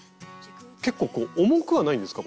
結構重くはないんですか？